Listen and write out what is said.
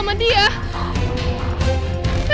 emang tadi dia